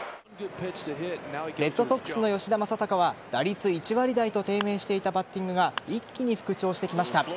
レッドソックスの吉田正尚は打率１割台と低迷していたバッティングが一気に復調してきました。